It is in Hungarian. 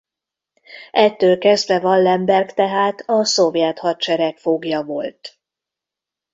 Ettől kezdve Wallenberg tehát a szovjet hadsereg foglya volt.